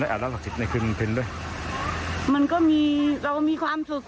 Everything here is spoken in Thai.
ได้อาบน้ำศักดิ์สิทธิ์ในคืนเพล็นด้วยมันก็มีเรามีความสุข